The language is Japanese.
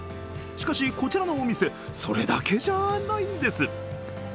しかし、こちらのお店、それだけじゃないんです。